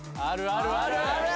あるある！